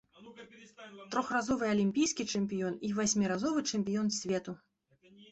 Трохразовы алімпійскі чэмпіён і васьміразовы чэмпіён свету.